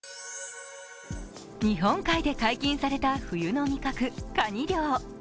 日本海で解禁された冬の味覚・かに漁。